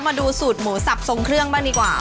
มาดูสูตรหมูสับทรงเครื่องบ้างดีกว่า